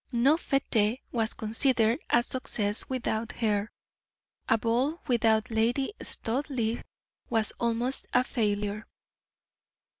No fete was considered a success without her a ball without Lady Studleigh was almost a failure.